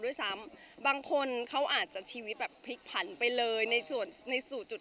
ด้วยซ้ำบางคนเขาอาจจะชีวิตแบบพลิกผันไปเลยในส่วนในสู่จุด